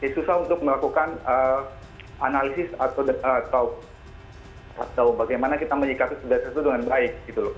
susah untuk melakukan analisis atau bagaimana kita menyikapi sudah sesuai dengan baik